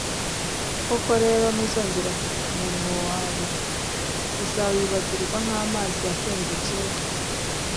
koko rero, ntuzongera kwibuka umuruho wawe, uzawibagirwa nk'amazi yatembye kera